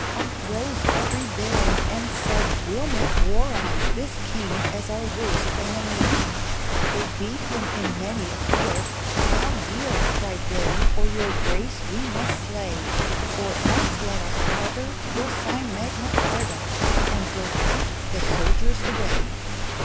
Up rose every baron And said, "We'll make war on This king as our worst enemee!" They beat him in many a field; "Now yield!" Cried they, "or Your Grace we must slay! Or else, let us barter! You'll sign Magna Charta, And we'll take the soldiers away."